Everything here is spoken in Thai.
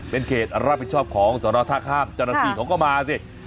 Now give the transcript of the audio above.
เป็นเขตรับผิดชอบของสนท่าข้ามเจ้าหน้าที่เขาก็มาสิ